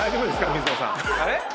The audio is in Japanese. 水野さん。